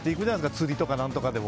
釣りとか何とかでも。